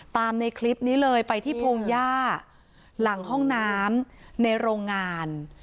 ในคลิปนี้เลยไปที่พงหญ้าหลังห้องน้ำในโรงงาน